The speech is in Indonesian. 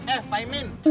eh pak imin